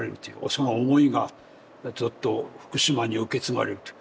その思いがずっと福島に受け継がれるという。